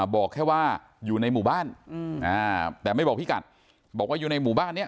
บอกแค่ว่าอยู่ในหมู่บ้านแต่ไม่บอกพี่กัดบอกว่าอยู่ในหมู่บ้านเนี่ย